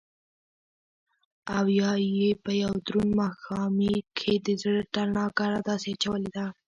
او يا يې په يو دروند ماښامي کښې دزړه تڼاکه داسې چولې ده